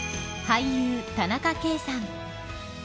俳優、田中圭さん。